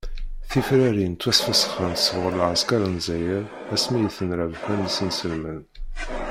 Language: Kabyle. Tifranin ttwasfesxent sɣur lɛeskaṛ n lezzayer ass mi i tent-rebḥen isenselmen.